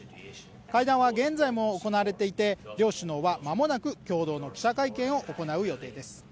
会談は現在も行われていて両首脳は間もなく共同の記者会見を行う予定です。